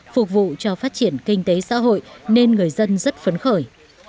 phục vụ cho phát triển kinh tế xã hội nên người dân rất phấn khởi